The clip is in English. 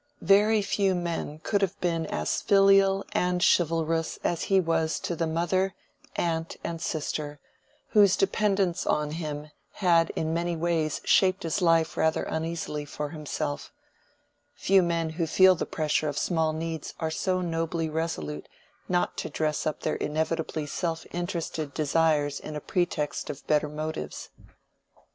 Very few men could have been as filial and chivalrous as he was to the mother, aunt, and sister, whose dependence on him had in many ways shaped his life rather uneasily for himself; few men who feel the pressure of small needs are so nobly resolute not to dress up their inevitably self interested desires in a pretext of better motives.